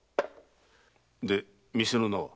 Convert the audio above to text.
で店の名は？